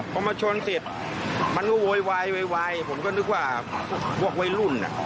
พอมาชนเสร็จมันก็โวยวายโวยวายผมก็นึกว่าพวกวัยรุ่น